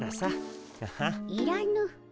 いらぬ。